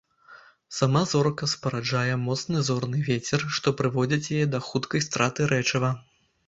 Сама зорка спараджае моцны зорны вецер, што прыводзіць яе да хуткай страты рэчыва.